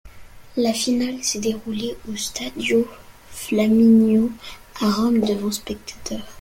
La finale s'est déroulée au Stadio Flaminio à Rome devant spectateurs.